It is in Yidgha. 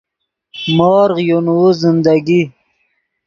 مورغ یو نوؤ زندگی